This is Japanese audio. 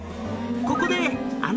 「ここで」